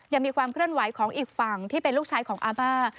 ยังมีความเคลื่อนไหวของอีกฝั่งที่เป็นลูกชายของอาบ้า